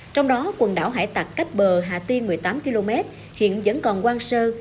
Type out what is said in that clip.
trong đó quần đảo hải tạc cách bờ hà tiên một mươi tám km hiện vẫn còn quang sơ